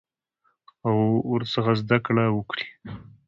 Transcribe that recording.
او ورڅخه زده کړه وکړي.